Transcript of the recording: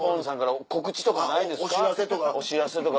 お知らせとか。